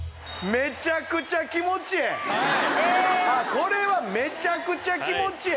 これはめちゃくちゃ気持ちええ。